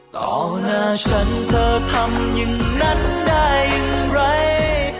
ต่อหน้าฉันเธอทำอย่างนั้นได้อย่างไร